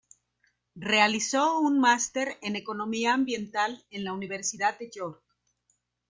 Realizó un máster en Economía Ambiental en la Universidad de York.